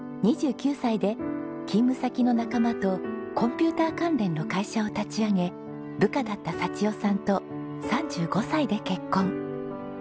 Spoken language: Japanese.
２９歳で勤務先の仲間とコンピューター関連の会社を立ち上げ部下だった幸代さんと３５歳で結婚。